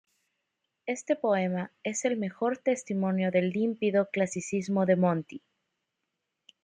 Este poema es el mejor testimonio del límpido clasicismo de Monti.